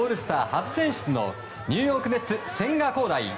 初選出のニューヨーク・メッツ千賀滉大。